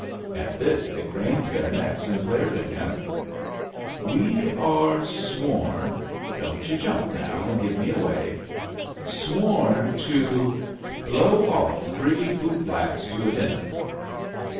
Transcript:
At this they craned their necks and glared at him. "We — are — sworn (don't yu' jtimp, now, and give me away) — sworn — to — blow off three bootblacks to a dinner."